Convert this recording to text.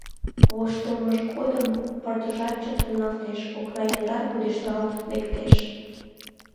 Воштылмыж годым пырдыжат чытырналтеш, окна яндат пудешталт лектеш...